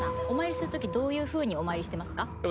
お参りするときどういうふうにお参りしてますか？